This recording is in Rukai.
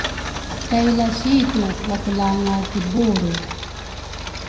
kay lasitu wakelanga kibulru.